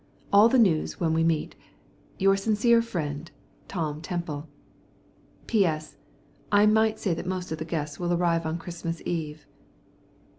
All the news when we meet. Your sincere friend, Tom Temple. P.S. I might say that most of the guests will arrive on Christmas Eve.